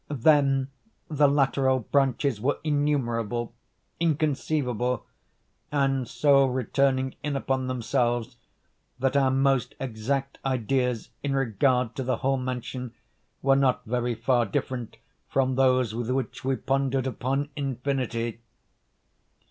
Then the lateral branches were innumerable—inconceivable—and so returning in upon themselves, that our most exact ideas in regard to the whole mansion were not very far different from those with which we pondered upon infinity.